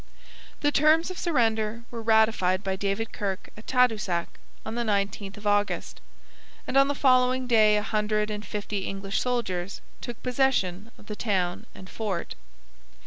The terms of surrender were ratified by David Kirke at Tadoussac on the 19th of August, and on the following day a hundred and fifty English soldiers took possession of the town and fort.